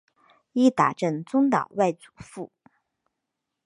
伊达政宗的外祖父。